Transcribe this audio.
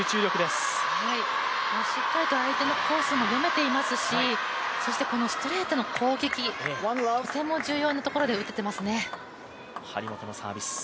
しっかりと相手のコースも読めていますしそしてこのストレートの攻撃、とても重要なところで打てていますね。